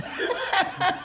ハハハハ！